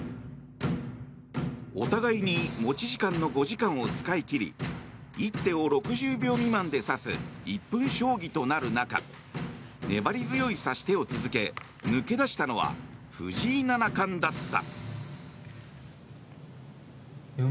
お互いに持ち時間の５時間を使い切り１手を６０秒未満で指す１分将棋となる中粘り強い指し手を続け抜け出したのは藤井七冠だった。